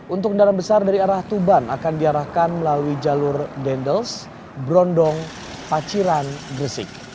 untuk kendaraan besar dari arah tuban akan diarahkan melalui jalur dendels brondong paciran gresik